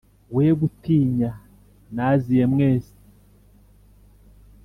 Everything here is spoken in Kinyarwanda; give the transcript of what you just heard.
we gutinya naziye mwese